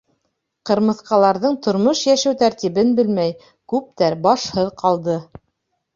Ҡырмыҫҡаларҙың тормош-йәшәү тәртибен белмәй, күптәр башһыҙ ҡалды.